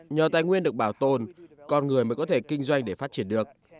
nhờ tài nguyên được bảo tồn con người mới có thể kinh doanh để phát triển được